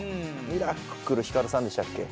ミラクルひかるさんでしたっけ。